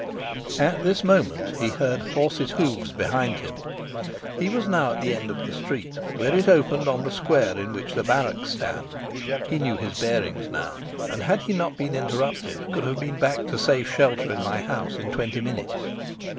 At this moment he heard horses' hoofs behind him. He was now at the end of the street, where it opened on the square in which the barracks stand. He knew his bearings now, and, had he not been interrupted, could have been back to safe shelter in my house in twenty minutes.